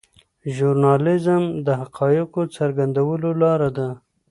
ژورنالیزم د حقایقو څرګندولو لاره ده.